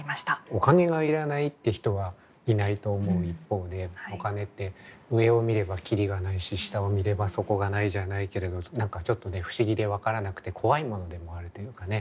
お金が要らないって人はいないと思う一方でお金って上を見ればキリがないし下を見れば底がないじゃないけれど何かちょっとね不思議で分からなくて怖いものでもあるというかね。